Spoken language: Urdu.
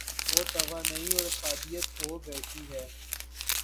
وہ توانائی اورافادیت کھو بیٹھی ہے۔